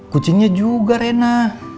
kucingnya juga rena